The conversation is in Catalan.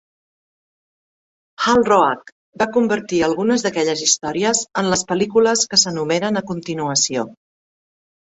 Hal Roach va convertir algunes d'aquelles històries en les pel·lícules que s'enumeren a continuació.